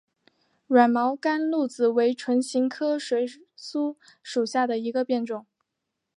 软毛甘露子为唇形科水苏属下的一个变种。